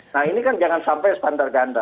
nah ini kan jangan sampai standar ganda